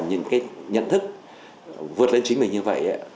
những cái nhận thức vượt lên chính mình như vậy